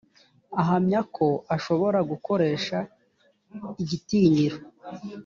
ahamya ko ashobora gukoresha igitinyiro